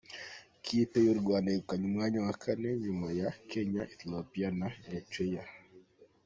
Ikipe y’u Rwanda yegukanye umwanya wa kane, inyuma ya Kenya, Ethiopia na Eritrea.